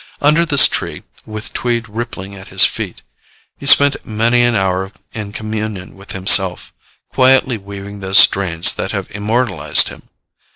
Under this tree, with Tweed rippling at his feet, he spent many an hour in communion with himself, quietly weaving those strains that have immortalized him.